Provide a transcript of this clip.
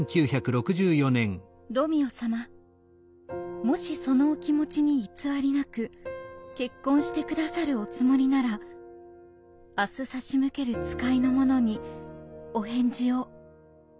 「ロミオ様もしそのお気持に偽りなく結婚して下さるお積りなら明日差向ける使ひの者にお返事を」。